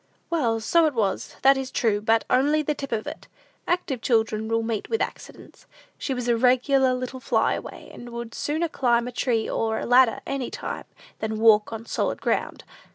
"Well, so it was, that is true; but only the tip of it. Active children will meet with accidents. She was a regular little fly away, and would sooner climb a tree or a ladder any time, than walk on solid ground.